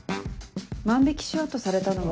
万引しようとされたのは。